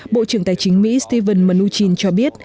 bộ trưởng tài chính mỹ steven mnuchin cho biết